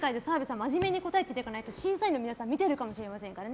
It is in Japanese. まじめに答えていただかないと審査員の皆さん見てるかもしれませんからね。